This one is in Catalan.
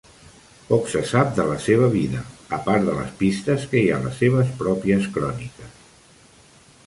Poc se sap de la seva vida, a part de les pistes que hi ha a les seves pròpies cròniques.